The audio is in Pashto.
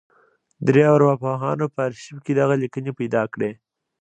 درې ارواپوهانو په ارشيف کې دغه ليکنې پیدا کړې.